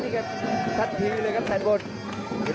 แต่พยายามจะตีจิ๊กเข้าที่ประเภทหน้าขาครับ